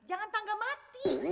jangan tangga mati